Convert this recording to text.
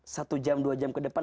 satu jam dua jam ke depan